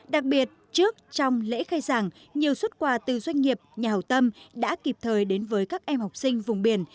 đặc biệt trước trong lễ khai giảng nhiều xuất quà từ doanh nghiệp nhà hảo tâm đã kịp thời đến với các em học sinh vùng biển